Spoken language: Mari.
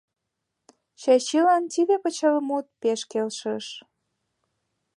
Чачилан тиде почеламут пеш келшыш.